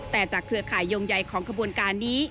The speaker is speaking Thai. แต่จากเครือข่ายงใหญ่ของขบวนการนี้